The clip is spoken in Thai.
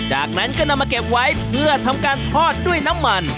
จากนั้นก็นำมาเก็บไว้เพื่อทำการทอดด้วยน้ำมัน